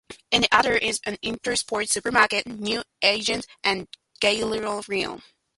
In the other is an Intersport, supermarket, newsagent, and Geilogrillen.